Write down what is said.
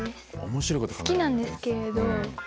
好きなんですけれど。